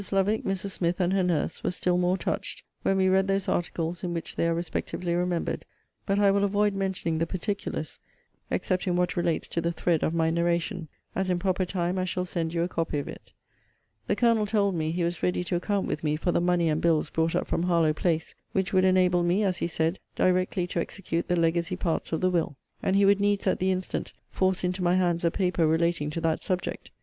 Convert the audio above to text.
Lovick, Mrs. Smith, and her nurse, were still more touched, when we read those articles in which they are respectively remembered: but I will avoid mentioning the particulars, (except in what relates to the thread of my narration,) as in proper time I shall send you a copy of it. The Colonel told me, he was ready to account with me for the money and bills brought up from Harlowe place; which would enable me, as he said, directly to execute the legacy parts of the will; and he would needs at the instant force into my hands a paper relating to that subject.